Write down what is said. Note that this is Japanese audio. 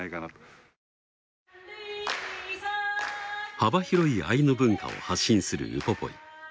幅広いアイヌ文化を発信するウポポイ。